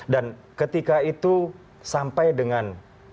dan ketika itu sampai dengan